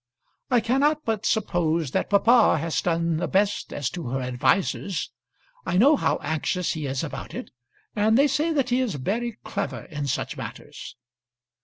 I cannot but suppose that papa has done the best as to her advisers. I know how anxious he is about it, and they say that he is very clever in such matters.